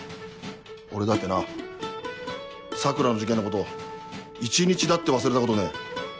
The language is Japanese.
俺だってな桜の事件のこと一日だって忘れたことねえ。